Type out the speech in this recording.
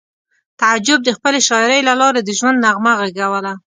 تعجب د خپلې شاعرۍ له لارې د ژوند نغمه غږوله